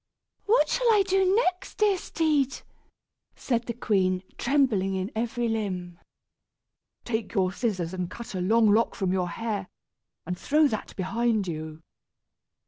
"What shall I do next, dear steed?" said the queen, trembling in every limb. "Take your scissors and cut a long lock from your hair, and throw that behind you."